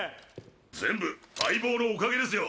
全部相棒のおかげですよ。